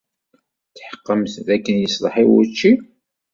Tetḥeqqemt dakken yeṣleḥ i wučči?